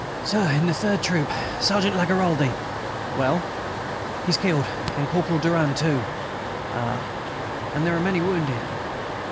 "Sir, in the third troop, Sergeant Lagaraldi...." "Well?" "He's killed, ... and Corporal Durand too!" "Ah!" "And there are many wounded."